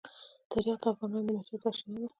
تاریخ د افغانانو د معیشت سرچینه ده.